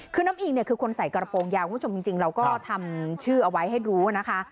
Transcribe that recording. คือน้ำอิ่งคือคนใส่กระโปรงยาวจนจริงเราก็ทำชื่อเอาไว้ให้รู้นะคะ